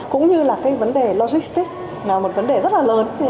cũng như là cái vấn đề logistics là một vấn đề rất là lớn